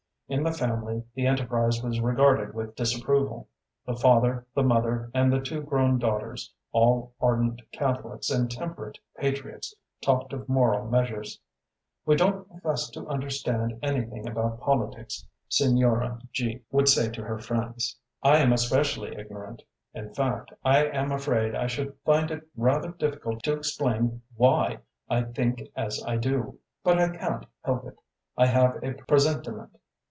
In the family the enterprise was regarded with disapproval. The father, the mother, and the two grown daughters, all ardent Catholics and temperate patriots, talked of moral measures. "We don't profess to understand anything about politics," Signora G would say to her friends; "I am especially ignorant; in fact, I am afraid I should find it rather difficult to explain WHY I think as I do. But I can't help it; I have a presentiment.